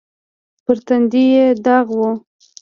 پر تندي يې داغ و.